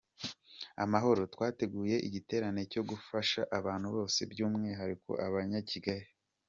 Amahoro, twateguye igiterane cyo gufasha abantu bose by’Umwihariko abanya Kigali